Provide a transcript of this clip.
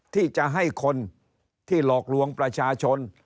ที่จะให้คนที่หลอกลวงประชาชน